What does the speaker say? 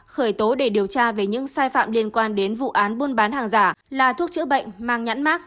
khởi tố để điều tra về những sai phạm liên quan đến vụ án buôn bán hàng giả là thuốc chữa bệnh mang nhãn mát